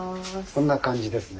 こんな感じですね。